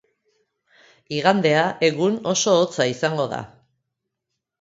Igandea egun oso hotza izango da.